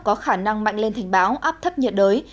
có khả năng mạnh lên thành báo áp thấp nhiệt đới